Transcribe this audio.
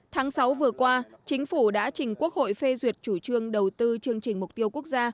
tháng sáu vừa qua chính phủ đã trình quốc hội phê duyệt chủ trương đầu tư chương trình mục tiêu quốc gia